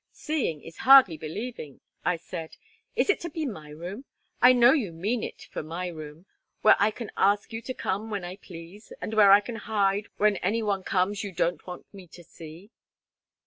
"Seeing is hardly believing," I said. "Is it to be my room? I know you mean it for my room, where I can ask you to come when I please, and where I can hide when any one comes you don't want me to see."